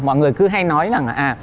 mọi người cứ hay nói là